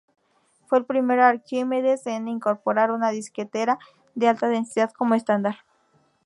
Fue el primer Archimedes en incorporar una disquetera de Alta Densidad como estándar.